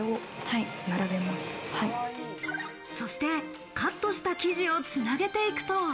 そしてカットした生地をつなげていくと。